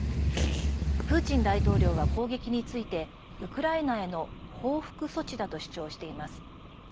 プーチン大統領は攻撃についてウクライナへの報復措置だと主張しています。